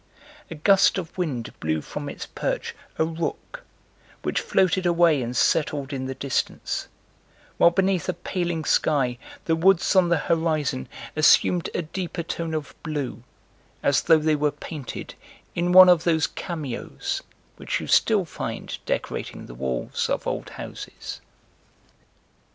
A gust of wind blew from its perch a rook, which floated away and settled in the distance, while beneath a paling sky the woods on the horizon assumed a deeper tone of blue, as though they were painted in one of those cameos which you still find decorating the walls of old houses.